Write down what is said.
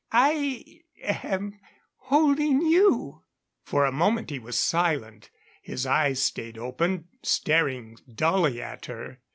I am holding you." For a moment he was silent. His eyes stayed open, staring dully at her.